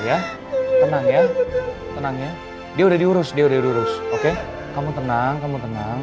ya tenang ya tenangnya dia udah diurus dia udah diurus oke kamu tenang kamu tenang